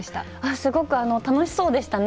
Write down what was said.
すごく楽しそうでしたね。